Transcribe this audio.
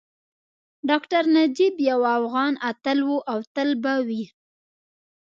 ډاکټر نجیب یو افغان اتل وو او تل به وي